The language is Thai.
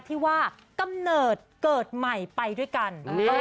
ที่ว่ากำเนิดเกิดใหม่ไปด้วยกัน